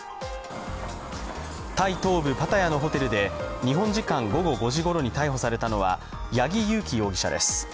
タイ東部・パタヤのホテルで日本時間午後５時ごろに逮捕されたのは八木佑樹容疑者です。